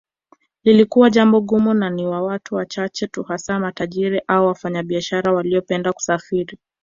Lilikuwa jambo gumu na ni watu wachache tu hasa matajiri au wafanyabiashara waliopenda kusafiri